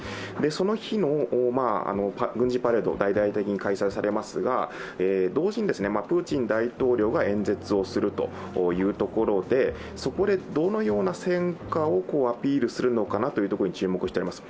その日の軍事パレード、大々的に開催されますが、同時にプーチン大統領が演説をするというところで、そこでどのような戦果をアピールするのかなというところに注目しています。